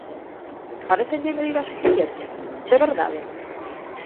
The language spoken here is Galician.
¿Parécenlle medidas suficientes?, ¿de verdade?